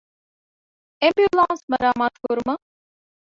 އެމްބިއުލާންސް މަރާމާތުކުރުމަށް